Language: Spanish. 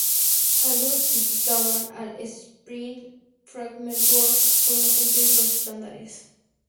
Algunos critican al Spring Framework por no cumplir los estándares.